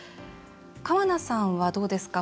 川名さんは、どうですか？